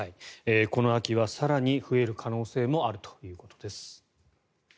この秋は更に増える可能性もあるということです。